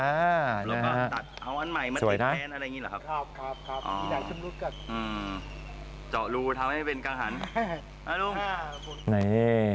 แล้วก็ตัดเอาอันใหม่มาเทนอะไรอย่างนี้หรือครับ